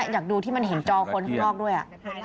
อยากดูที่มันเห็นจอคนข้างนอกด้วย